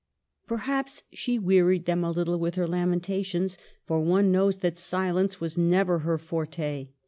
Perhaps she wearied them a little with her lamentations, for one knows that silence was never her forte.